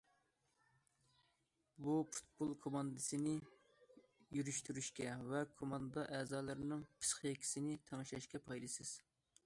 بۇ پۇتبول كوماندىسىنى يۈرۈشتۈرۈشكە ۋە كوماندا ئەزالىرىنىڭ پىسخىكىسىنى تەڭشەشكە پايدىسىز.